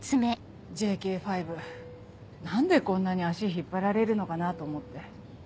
ＪＫ５何でこんなに足引っ張られるのかなと思って。